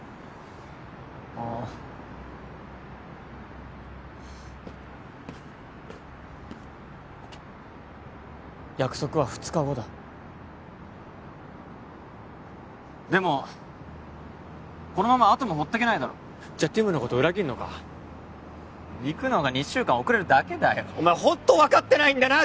ああ約束は２日後だでもこのままアトム放っていけないだろじゃティムのこと裏切るのか行くのが２週間遅れるだけだよお前ホント分かってないんだな